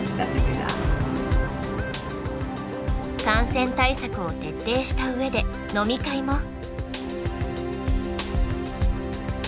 感染対策を徹底した上で飲み会も。